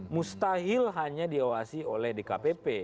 mustahil hanya diawasi oleh dkpp